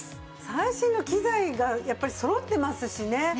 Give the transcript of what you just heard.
最新の機材がやっぱりそろってますしね。